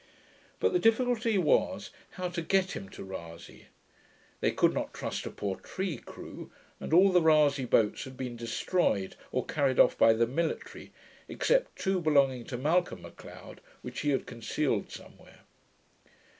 But the difficulty was, how to get him to Rasay. They could not trust a Portree crew, and all the Rasay boats had been destroyed, or carried off by the military except two belonging to Malcolm M'Leod, which he had concealed somewhere.